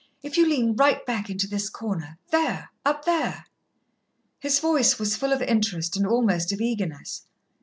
If you lean right back into this corner there, up there." His voice was full of interest and almost of eagerness.